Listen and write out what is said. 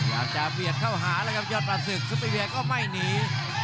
อยากจะเบียดเข้าหาแล้วครับยอดประศึกซุปเปอร์เวียก็ไม่หนี